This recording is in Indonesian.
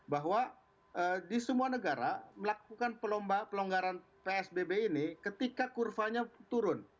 bahwa di semua negara melakukan pelonggaran psbb ini ketika kurvanya turun